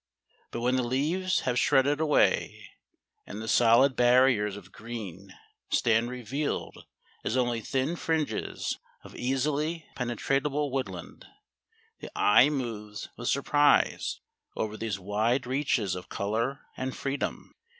But when the leaves have shredded away and the solid barriers of green stand revealed as only thin fringes of easily penetrable woodland, the eye moves with surprise over these wide reaches of colour and freedom.